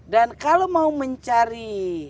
dan kalau mau mencari